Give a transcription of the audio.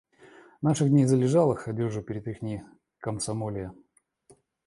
Наших дней залежалых одёжу перетряхни, комсомолия!